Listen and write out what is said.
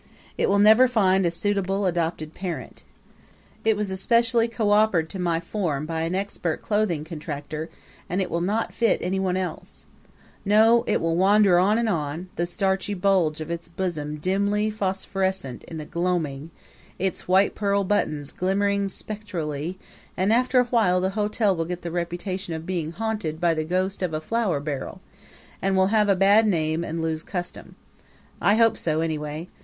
It will never find a suitable adopted parent. It was especially coopered to my form by an expert clothing contractor, and it will not fit anyone else. No; it will wander on and on, the starchy bulge of its bosom dimly phosphorescent in the gloaming, its white pearl buttons glimmering spectrally; and after a while the hotel will get the reputation of being haunted by the ghost of a flour barrel, and will have a bad name and lose custom. I hope so anyway.